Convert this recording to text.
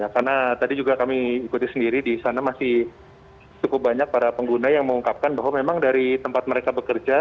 karena tadi juga kami ikuti sendiri di sana masih cukup banyak para pengguna yang mengungkapkan bahwa memang dari tempat mereka bekerja